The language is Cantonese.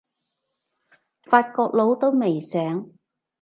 法國佬都未醒